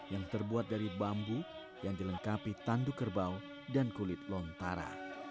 yang terbuat dari bambu yang dilengkapi tanduk kerbau dan kulit lontara